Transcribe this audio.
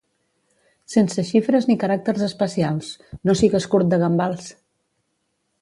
Sense xifres ni caràcters especials, no sigues curt de gambals!